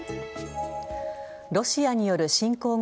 ロシアによる侵攻後